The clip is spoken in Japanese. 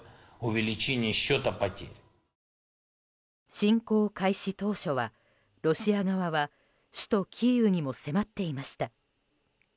侵攻開始当初はロシア側は首都キーウにも迫っていました。